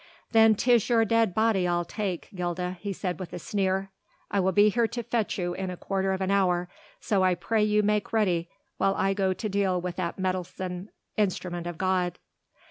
"Then 'tis your dead body I'll take, Gilda," he said with a sneer, "I will be here to fetch you in a quarter of an hour, so I pray you make ready while I go to deal with that meddlesome instrument of God."